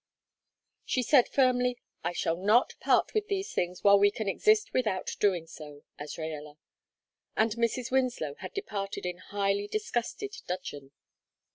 She said, firmly: "I shall not part with these things while we can exist without doing so, Azraella," and Mrs. Winslow had departed in highly disgusted dudgeon.